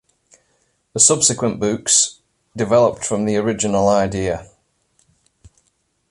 The subsequent books developed from the original idea.